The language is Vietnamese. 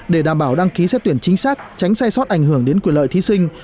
để đảm bảo đăng ký xét tuyển chính xác tránh sai sót ảnh hưởng đến quyền lợi thí sinh